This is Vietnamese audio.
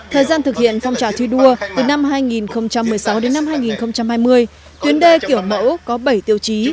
thời gian thực hiện phong trào thi đua từ năm hai nghìn một mươi sáu đến năm hai nghìn hai mươi tuyến đê kiểu mẫu có bảy tiêu chí